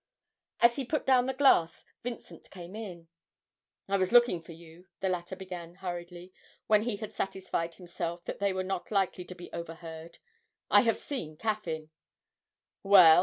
As he put down the glass Vincent came in. 'I was looking for you,' the latter began hurriedly, when he had satisfied himself that they were not likely to be overheard. 'I have seen Caffyn!' 'Well?'